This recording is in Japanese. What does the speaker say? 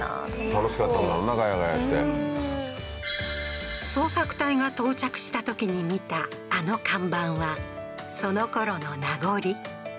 ガヤガヤして捜索隊が到着したときに見たあの看板はそのころの名残